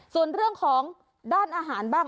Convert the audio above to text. ส่วนเรื่องของด้านอาหารบ้าง